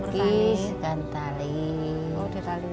di sini di tali